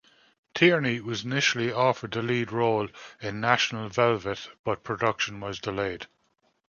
Tierney was initially offered the lead role in "National Velvet," but production was delayed.